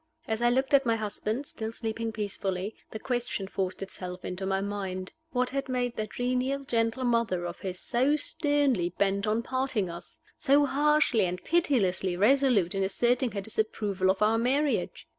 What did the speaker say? As I looked at my husband, still sleeping peacefully, the question forced itself into my mind, What had made that genial, gentle mother of his so sternly bent on parting us? so harshly and pitilessly resolute in asserting her disapproval of our marriage?